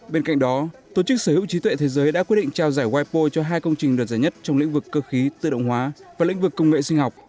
bên cạnh đó tổ chức sở hữu trí tuệ thế giới đã quyết định trao giải wipo cho hai công trình đạt giải nhất trong lĩnh vực cơ khí tự động hóa và lĩnh vực công nghệ sinh học